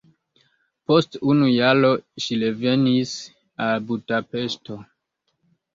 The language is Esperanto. Post unu jaro ŝi revenis al Budapeŝto.